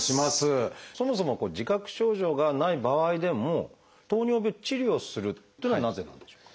そもそも自覚症状がない場合でも糖尿病を治療するというのはなぜなんでしょうか？